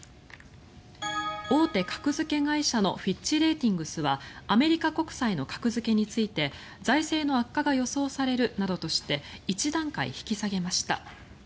大手格付け会社のフィッチ・レーティングスはアメリカ国債の格付けについて財政の悪化が予想されるなどとして１段階引き下げました。